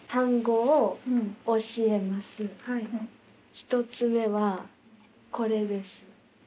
１つ目はこれです。